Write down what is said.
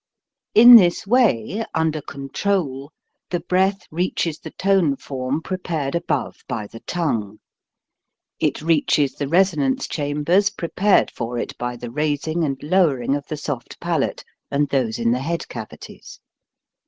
In this way, under control, the breath reaches the tone form prepared above by the tongue ; it reaches the resonance chambers prepared for it by the raising and lowering of the soft palate and those in the head cavities.